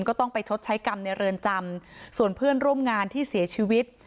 ก็ต้องไปชดใช้กรรมในเรือนจำส่วนเพื่อนร่วมงานที่เสียชีวิต